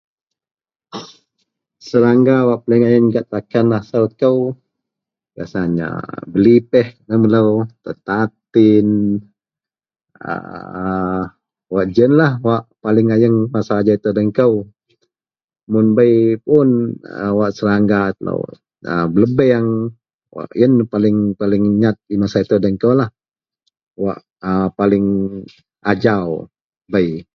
serangga wak paling ayeng gak takan asel kou rasanya belipeh laie melou, tatatin aaa wak ji ienlah wak paling ayeng masa ajau itou den kou, mun bei pun wak serangga telou, abelebang wak ien paling-paling nyat masa itou den kou lah a wak paling ajau.